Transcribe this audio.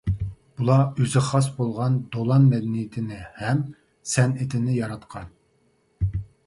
بۇلار ئۆزىگە خاس بولغان دولان مەدەنىيىتىنى ھەم سەنئىتىنى ياراتقان.